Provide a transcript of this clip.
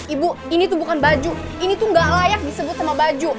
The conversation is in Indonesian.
ibu ini tuh bukan baju ini tuh gak layak disebut sama baju